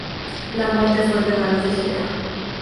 La muerte fue el regalo de Hera.